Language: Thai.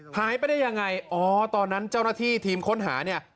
หายไปได้ยังไงอ๋อตอนนั้นเจ้าหน้าที่ทีมค้นหาเนี่ย